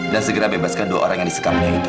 dan segera bebaskan dua orang yang disekapnya itu